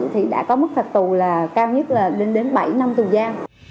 thì đã có mức phạt tù cao nhất là lên đến bảy năm tù gian